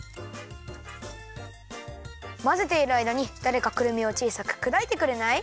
まぜているあいだにだれかくるみをちいさくくだいてくれない？